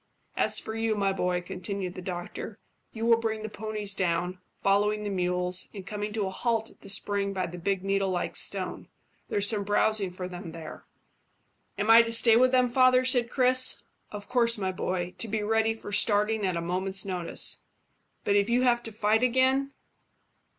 "As for you, my boy," continued the doctor, "you will bring the ponies down, following the mules, and coming to a halt at that spring by the big needle like stone. There's some browsing for them there." "Am I to stay with them, father?" said Chris. "Of course, my boy, to be ready for starting at a moment's notice." "But if you have to fight again?"